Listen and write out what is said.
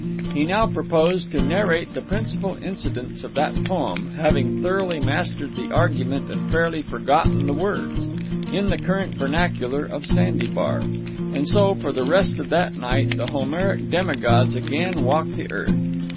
He now proposed to narrate the principal incidents of that poem having thoroughly mastered the argument and fairly forgotten the words in the current vernacular of Sandy Bar. And so for the rest of that night the Homeric demigods again walked the earth.